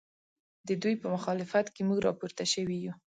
ددوی په مخالفت کې موږ راپورته شوي یو